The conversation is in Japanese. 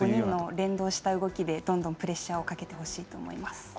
５人の連動した動きでどんどんプレッシャーかけてほしいと思います。